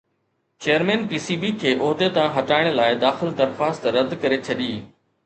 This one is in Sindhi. چيئرمين پي سي بي کي عهدي تان هٽائڻ لاءِ داخل درخواست رد ڪري ڇڏي